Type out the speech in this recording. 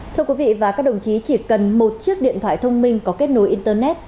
thưa quý vị và các đồng chí chỉ cần một chiếc điện thoại thông minh có kết nối internet